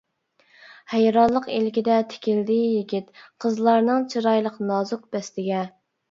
ھەيرانلىق ئىلكىدە تىكىلدى يىگىت، قىزلارنىڭ چىرايلىق نازۇك بەستىگە.